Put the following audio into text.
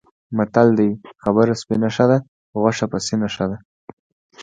متل دی: خبره سپینه ښه ده، غوښه پسینه ښه ده.